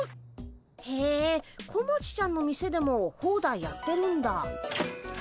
へえ小町ちゃんの店でもホーダイやってるんだ。